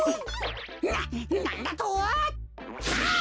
ななんだと！たあ！